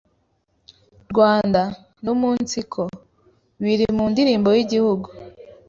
rwanda numunsiko biri mu ndirimbo y’Igihugu